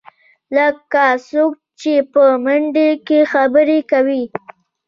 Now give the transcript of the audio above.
لکه څوک چې په منډه کې خبرې کوې.